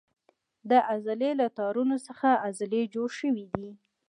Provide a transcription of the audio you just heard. د عضلې له تارونو څخه عضلې جوړې شوې دي.